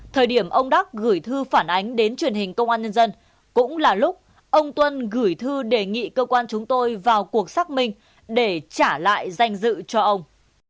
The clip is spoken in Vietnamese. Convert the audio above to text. thời điểm ông đắc gửi thư phản ánh đến truyền hình công an nhân dân cũng là lúc ông tuân gửi thư đề nghị cơ quan chúng tôi vào cuộc xác minh để trả lại danh dự cho ông